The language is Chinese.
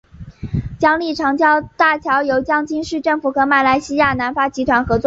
江津长江大桥由江津市政府和马来西亚南发集团合作修建。